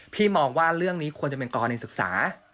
มองว่าเรื่องนี้ควรจะเป็นกรณีศึกษา